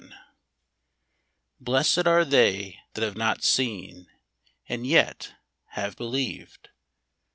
] Blessed are they that have not seen, and yet have believed.